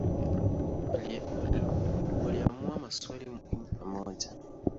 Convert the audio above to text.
Waliamua maswali muhimu pamoja.